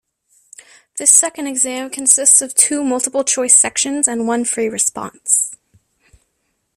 This second exam consists of two multiple-choice sections and one free response.